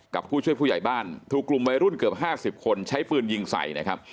ผู้ช่วยผู้ใหญ่บ้านถูกกลุ่มวัยรุ่นเกือบ๕๐คนใช้ปืนยิงใส่นะครับ